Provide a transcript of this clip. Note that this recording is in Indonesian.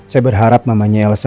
saya berharap mamanya elsa